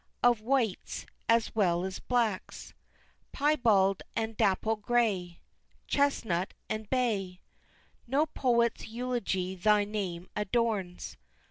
Of whites as well as blacks, Pyebald and dapple gray, Chestnut and bay No poet's eulogy thy name adorns!